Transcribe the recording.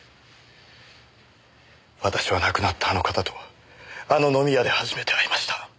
私は亡くなったあの方とあの飲み屋で初めて会いました。